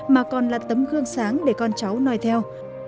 mà còn là tấm gương sáng để con cháu nói theo